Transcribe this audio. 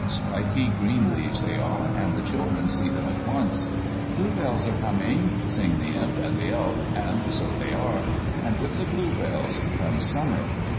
Spiky green leaves they are, and the children see them at once. "Blue bells are coming," sing the Imp and the Elf, and so they are, and with the blue bells comes Summer.